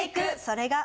それが。